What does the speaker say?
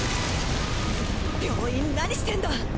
病院何してんだ！